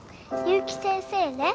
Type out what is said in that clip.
結城先生ね